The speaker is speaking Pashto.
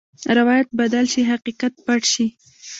روایت بدل شي، حقیقت پټ شي.